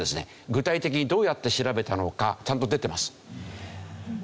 具体的にどうやって調べたのかちゃんと出てます。